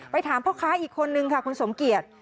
ถามพ่อค้าอีกคนนึงค่ะคุณสมเกียจ